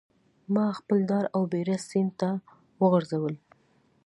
ماخپل ډار او بیره سیند ته وغورځول